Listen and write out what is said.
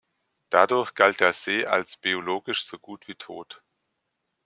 Dadurch galt der See als biologisch so gut wie tot.